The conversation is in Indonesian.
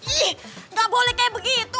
ih gak boleh kayak begitu